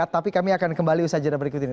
tapi kami akan kembali usaha jadwal berikut ini